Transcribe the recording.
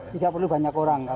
tidak perlu banyak orang ya pak